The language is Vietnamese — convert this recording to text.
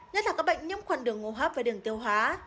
nhất là các bệnh nhiễm khuẩn đường hô hấp và đường tiêu hóa